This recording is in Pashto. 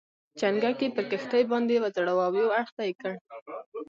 چنګک یې پر کښتۍ باندې وځړاوه او یو اړخ ته یې کړ.